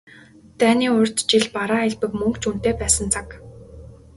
Дайны урьд жил бараа элбэг, мөнгө ч үнэтэй байсан цаг.